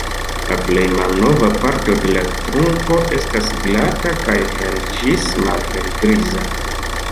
La plej malnova parto de la trunko estas glata kaj hel- ĝis malhelgriza.